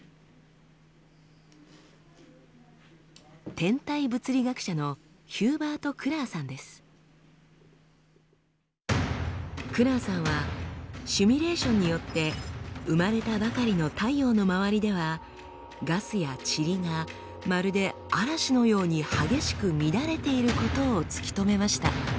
天体物理学者のクラーさんはシミュレーションによって生まれたばかりの太陽の周りではガスやチリがまるで嵐のように激しく乱れていることを突き止めました。